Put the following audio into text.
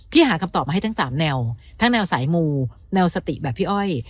หาคำตอบมาให้ทั้ง๓แนวทั้งแนวสายมูแนวสติแบบพี่อ้อย